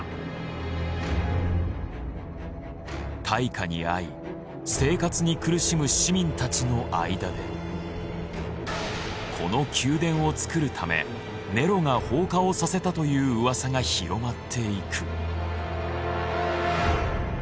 大火に遭い生活に苦しむ市民たちの間でこの宮殿を造るためネロが放火をさせたといううわさが広まっていく。